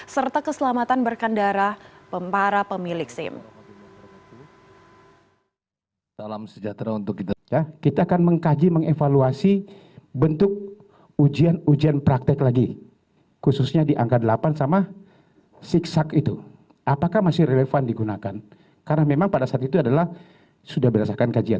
serta keselamatan berkandara para pemilik simc